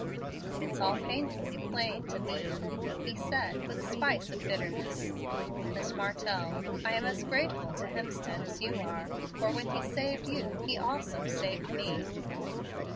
"It's all painfully plain to me," he said with a spice of bitterness. "Miss Martell, I am as grateful to Hemstead as you are, for when he saved you he also saved me.